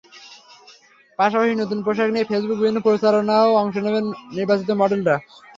পাশাপাশি নতুন পোশাক নিয়ে ফেসবুক বিভিন্ন প্রচারণায়ও অংশ নেবেন নির্বাচিত মডেলরা।